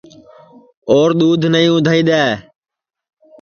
اور دؔودھ نائی اُندھائی دؔے